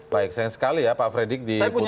baik sayang sekali ya pak fredrik di putus teleponnya